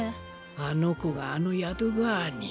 あの子があの宿ぐわぁに。